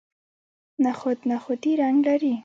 نخود نخودي رنګ لري.